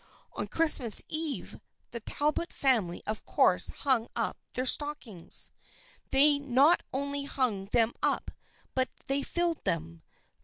On Christmas Eve the Talbot family of course hung up their stockings. They not only hung them up but they filled them.